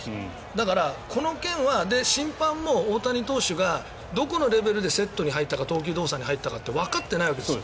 だから、この件は審判も大谷投手がどこのレベルでセットに入ったか投球動作に入ったかわかってないわけです。